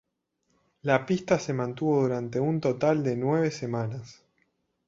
La pista se mantuvo durante un total de nueve semanas.